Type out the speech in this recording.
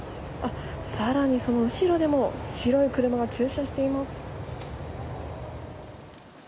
更に、その後ろでも白い車が駐車しています。